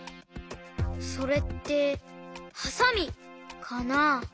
それってはさみかな？